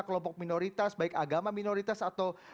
kelompok minoritas baik agama minoritas atau